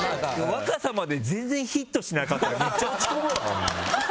若様で全然ヒットしなかったらめっちゃ落ち込むわ。